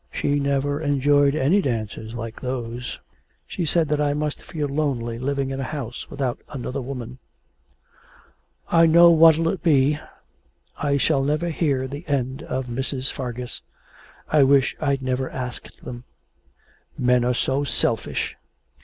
She never enjoyed any dances like those. She said that I must feel lonely living in a house without another woman.' 'I know what it'll be. I shall never hear the end of Mrs. Fargus. I wish I'd never asked them.' 'Men are so selfish!